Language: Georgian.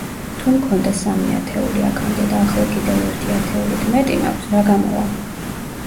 თუ მქონდა სამი ათეული აქამდე და ახლა კიდევ ერთი ათეულით მეტი მაქვს, რა გამოვა?